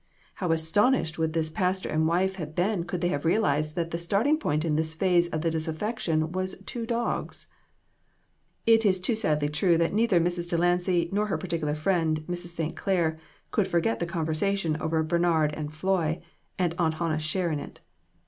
How astonished would this pastor and wife have been could they have realized that the starting point in this phase of the disaffection was two dogs ! It is too sadly true that neither Mrs. Delancy nor her particular friend, Mrs. St. Clair, could forget the conversation over Bernard and Floy, and Aunt Hannah's share in it.